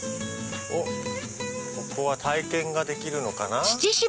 ここは体験ができるのかな。